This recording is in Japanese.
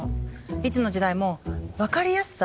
いつの時代も分かりやすさ？